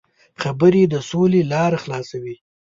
خبرې د سولې لاره خلاصوي.